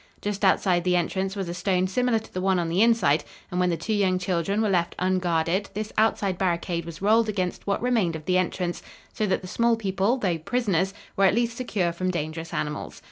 Just outside the entrance was a stone similar to the one on the inside, and when the two young children were left unguarded this outside barricade was rolled against what remained of the entrance, so that the small people, though prisoners, were at least secure from dangerous animals.